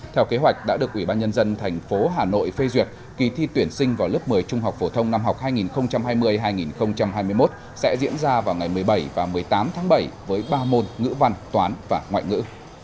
theo kế hoạch đã được ủy ban nhân dân thành phố hà nội phê duyệt kỳ thi tuyển sinh vào lớp một mươi trung học phổ thông năm học hai nghìn hai mươi hai nghìn hai mươi một sẽ diễn ra vào ngày một mươi bảy và một mươi tám tháng bảy với ba môn ngữ văn toán và ngoại ngữ